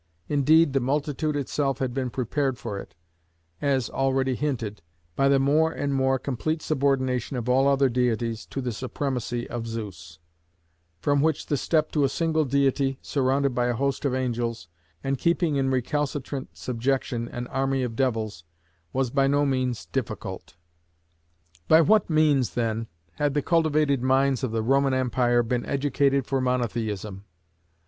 Indeed the multitude itself had been prepared for it, as already hinted, by the more and more complete subordination of all other deities to the supremacy of Zeus; from which the step to a single Deity, surrounded by a host of angels, and keeping in recalcitrant subjection an army of devils, was by no means difficult. By what means, then, had the cultivated minds of the Roman Empire been educated for Monotheism?